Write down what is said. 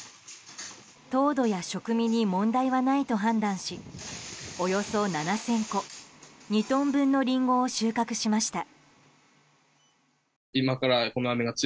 糖度や食味に問題はないと判断しおよそ７０００個２トン分のリンゴを収穫しました。